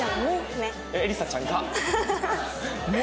えりさちゃん「も」ね！